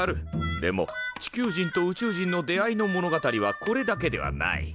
でも地球人と宇宙人の出会いの物語はこれだけではない。